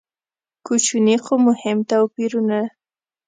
کوچني خو مهم توپیرونه.